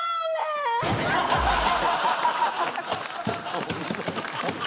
そんな。